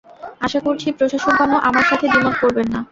আশা করছি, প্রশাসকগণও আমার সাথে দ্বিমত করবেন না।